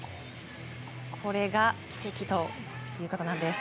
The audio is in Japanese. これが奇跡ということなんです。